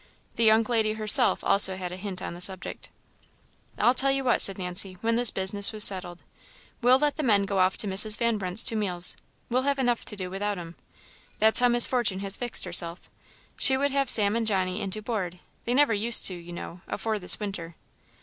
The young lady herself also had a hint on the subject. "I'll tell you what," said Nancy, when this business was settled, "we'll let the men go off to Mrs. Van Brunt's to meals; we'll have enough to do without 'em. That's how Miss Fortune has fixed herself she would have Sam and Johnny in to board; they never used to, you know, afore this winter."